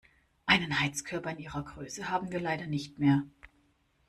Einen Heizkörper in Ihrer Größe haben wir leider nicht mehr.